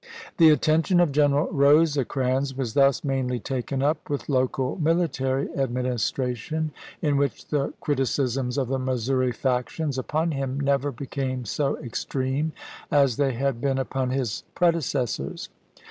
The attention of Gen eral Rosecrans was thus mainly taken up with local mihtary administration, in which the criti cisms of the Missouri factions upon him never became so extreme as they had been upon his pre decessors.